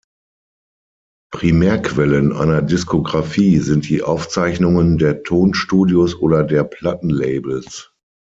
Primärquellen einer Diskografie sind die Aufzeichnungen der Tonstudios oder der Plattenlabels.